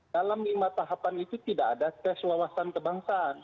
dalam lima tahapan itu tidak ada tes wawasan kebangsaan